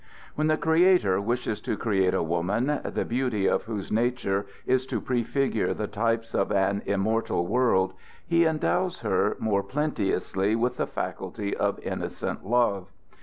When the Creator wishes to create a woman, the beauty of whose nature is to prefigure the types of an immortal world, he endows her more plenteously with the faculty of innocent love.